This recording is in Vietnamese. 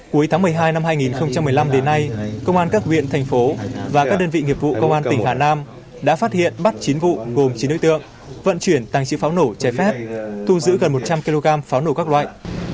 cuối tháng một mươi hai năm hai nghìn một mươi năm đến nay công an các huyện thành phố và các đơn vị nghiệp vụ công an tỉnh hà nam đã phát hiện bắt chín vụ gồm chín đối tượng vận chuyển tăng trị pháo nổ trái phép thu giữ gần một trăm linh kg pháo nổ các loại